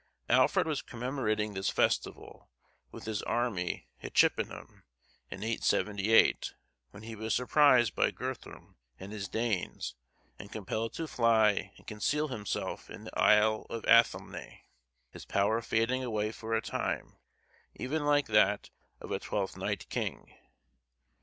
Alfred was commemorating this festival, with his army, at Chippenham, in 878, when he was surprised by Guthrum, and his Danes, and compelled to fly and conceal himself in the Isle of Athelney, his power fading away for a time, even like that of a twelfth night king.